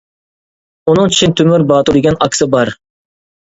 ئۇنىڭ چىن تۆمۈر باتۇر دېگەن ئاكىسى بار.